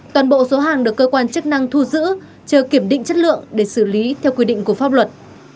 toàn bộ số hàng được cơ quan chức năng thu giữ chờ kiểm định chất lượng để xử lý theo quy định của pháp luật